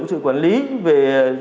sự quản lý về